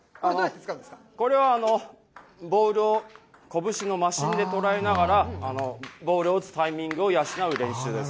これはボールを拳のマシンで捉えながら、ボールを打つタイミングを養う練習です。